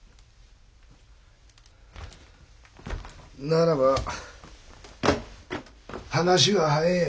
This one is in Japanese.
ならば話が早えや。